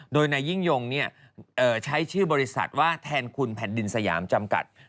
โดยนายยิ่งยงใช้ชื่อบริษัทว่าแทนคุณแผ่นดินสยามจำกัด